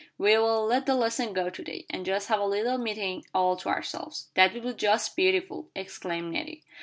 We will let the lesson go to day, and just have a little meeting all to ourselves." "That will be just beautiful!" exclaimed Nettie.